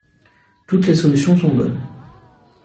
Toutes les solutions sont bonnes.